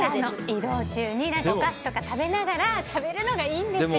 移動中にお菓子とか食べながらしゃべるのがいいんですよ。